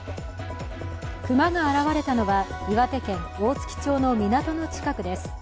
熊が現れたのは岩手県大槌町の港の近くです。